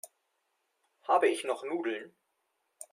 Habe ich noch Nudeln?